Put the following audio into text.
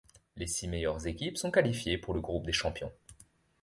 Les six meilleures équipes sont qualifiées pour le groupe des champions.